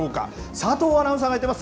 佐藤アナウンサーが行ってます。